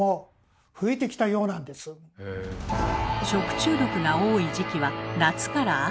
食中毒が多い時期は夏から秋。